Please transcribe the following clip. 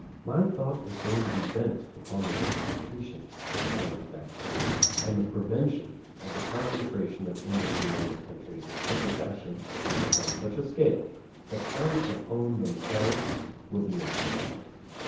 My thought is going to be bent upon the multiplication of towns of that kind and the prevention of the concentration of industry in this country in such a fashion and upon such a scale that towns that own themselves will be impossible.